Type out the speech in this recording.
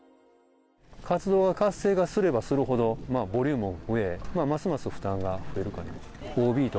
活動が活性化すればするほど、ボリュームも増え、ますます負担が増えるかなと。